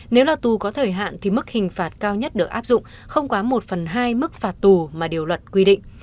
nếu là tù có thời hạn thì mức hình phạt cao nhất được áp dụng không quá một phần hai mức phạt tù mà điều luật quy định